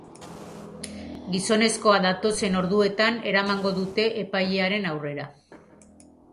Gizonezkoa datozen orduetan eramango dute epailearen aurrera.